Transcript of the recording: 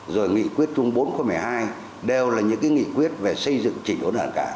rồi nghị quyết chung bốn khu một mươi hai đều là những nghị quyết về xây dựng chỉnh đốn đảng cả